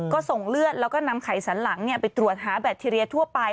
ก็ส่งเลือดแล้วก็นำไข่สันหลังไปตรวจหาแบคทีเรียทั่วไป